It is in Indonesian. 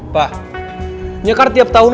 pa nyekar tiap tahun